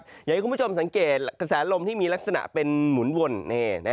อย่างที่คุณผู้ชมสังเกตกระแสลมที่มีลักษณะเป็นหมุนวน